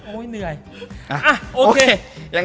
เหนื่อย